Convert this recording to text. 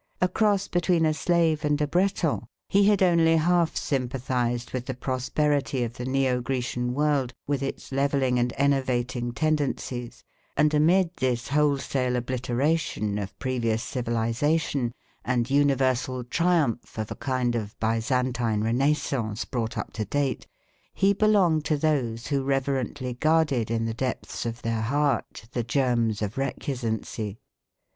A cross between a Slave and a Breton he had only half sympathised with the prosperity of the Neo Græcian world with its levelling and enervating tendencies, and amid this wholesale obliteration of previous civilisation, and universal triumph of a kind of Byzantine renaissance brought up to date, he belonged to those who reverently guarded in the depths of their heart the germs of recusancy.